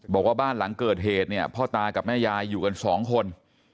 บอกว่าบ้านหลังเกิดเหตุเนี่ยพ่อตากับแม่ยายอยู่กันสองคน